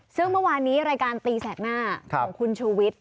ซึ่งเมื่อวานนี้รายการตีแสกหน้าของคุณชูวิทย์